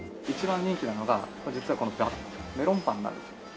一番人気なのが実はメロンパンなんですよ。